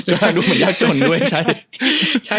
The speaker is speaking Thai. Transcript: ดูเหมือนยากจนด้วยใช่